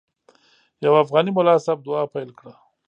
یو افغاني ملا صاحب دعا پیل کړه.